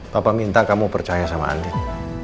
bapak minta kamu percaya sama andien